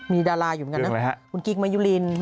มีดาราอยู่เหมือนกันนะคุณกิ๊กมายุลิน